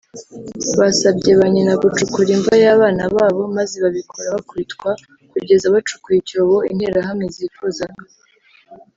Basabye ba nyina gucukura imva y’abana babo maze babikora bakubitwa kugeza bacukuye icyobo Interahamwe zifuzaga